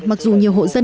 mặc dù nhiều hộ dân